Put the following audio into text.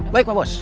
baik pak bos